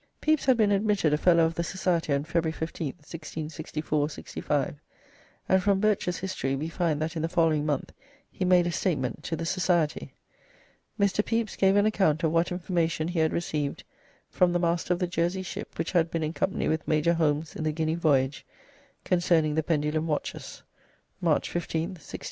Pepys had been admitted a fellow of the society on February 15th, 1664 65, and from Birch's "History" we find that in the following month he made a statement to the society: "Mr. Pepys gave an account of what information he had received from the Master of the Jersey ship which had been in company with Major Holmes in the Guinea voyage concerning the pendulum watches (March 15th, 1664 5)."